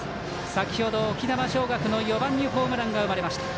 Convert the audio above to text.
先ほど沖縄尚学の４番にホームランが生まれました。